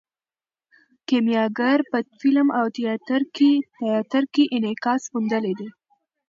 کیمیاګر په فلم او تیاتر کې انعکاس موندلی دی.